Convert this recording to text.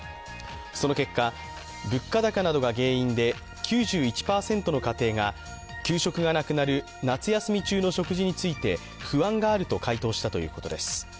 その結果、物価高などが原因で９１％の家庭が給食がなくなる夏休み中の食事について不安があると回答したということです。